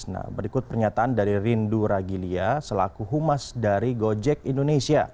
nah berikut pernyataan dari rindu ragilia selaku humas dari gojek indonesia